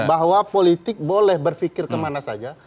bahwa politik boleh berfikir kemana saja